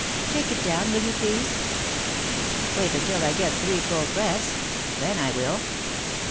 "Take it down, will you please?" "Wait until I get three full breaths then I will."